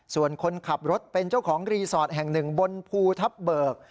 ส่วนคนขับรถเป็นเจ้าของรีสอร์ทแห่งหนึ่งบนภูทับเบิก